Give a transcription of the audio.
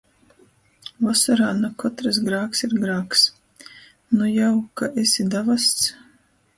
Vosorā na kotrs grāks ir grāks... nu jau, ka esi davasts...